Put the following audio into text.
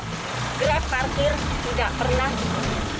gerak parkir tidak pernah